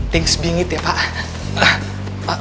thanks bingit ya pak